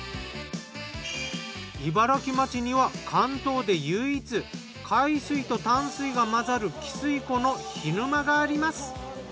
茨城町には関東で唯一海水と淡水が混ざる汽水湖の涸沼があります。